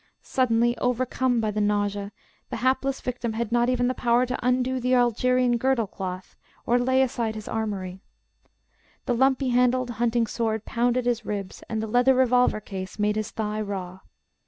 Suddenly, overcome by the nausea, the hapless victim had not even the power to undo the Algerian girdle cloth, or lay aside his armoury; the lumpy handled hunting sword pounded his ribs, and the leather revolver case made his thigh raw.